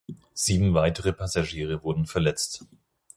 Sieben weitere Passagiere wurden verletzt.